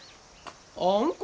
あんこ。